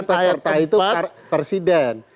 dan ayat empat presiden